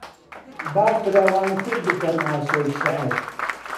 با فراوانتر بکەم ئاسۆی شێعر